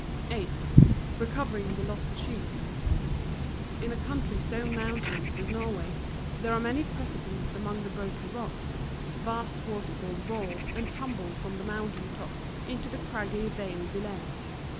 8 . Recovering the lost Sheep. In a country so mountainous as Norway, there are many precipices among the broken rocks; vast water falls roar, and tumble from the moun NORWAY. 17 * tain tops into the craggy vale below.